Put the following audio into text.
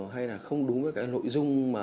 hay là không đúng với cái nội dung